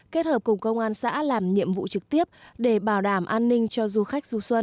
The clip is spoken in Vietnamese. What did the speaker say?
kết hợp cùng công an xã làm nhiệm vụ trực tiếp để bảo đảm an ninh cho du khách du xuân